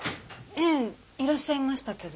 ええいらっしゃいましたけど。